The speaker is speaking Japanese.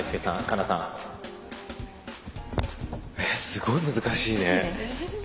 すごい難しいね。